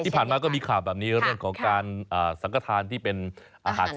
ที่ผ่านมาก็มีข่าวแบบนี้เรื่องของการสังกระทานที่เป็นอาหาร